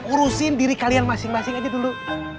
urusin diri kalian masing masing aja dulu